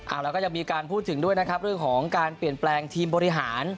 แล้วก็ยังมีการพูดถึงด้วยนะครับเรื่องของการเปลี่ยนแปลงทีมบริหาร